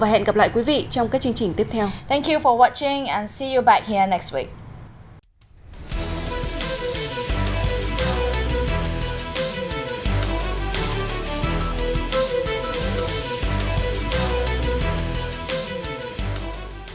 hẹn gặp lại quý vị trong các chương trình tiếp theo